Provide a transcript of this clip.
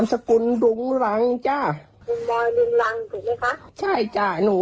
สกุลดุงรังจ้ะคุณบอยรุนรังถูกไหมคะใช่จ้ะหนู